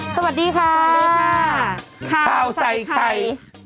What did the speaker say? สวัสดีค่ะค่าวใส่ไข่